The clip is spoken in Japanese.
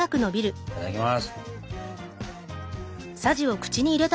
いただきます。